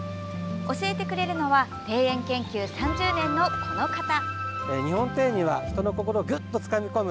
教えてくれるのは庭園研究３０年の、この方。